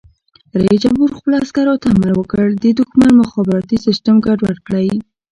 رئیس جمهور خپلو عسکرو ته امر وکړ؛ د دښمن مخابراتي سیسټم ګډوډ کړئ!